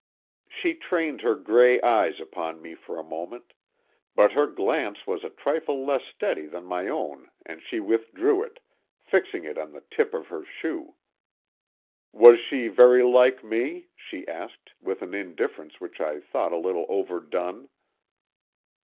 She trained her great gray eyes upon me for a moment, but her glance was a trifle less steady than my own and she withdrew it, fixing it on the tip of her shoe. "Was she very like me?" she asked, with an indifference which I thought a little overdone.